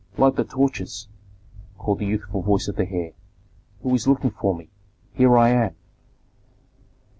"Light the torches!" called the youthful voice of the heir. "Who is looking for me? Here I am!"